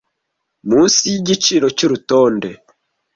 munsi yigiciro cyurutonde.